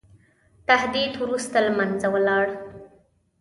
تهدید وروسته له منځه ولاړ.